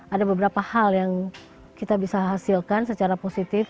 ada beberapa hal yang kita bisa hasilkan secara positif